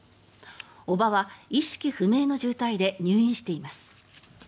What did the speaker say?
叔母は意識不明の重体で入院しています。